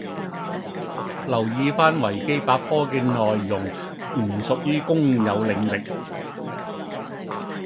留意返維基百科嘅內容唔屬於公有領域